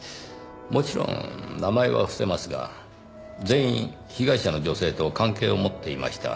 もちろん名前は伏せますが全員被害者の女性と関係を持っていました。